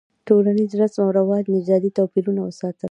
ټولنیز رسم او رواج نژادي توپیرونه وساتل.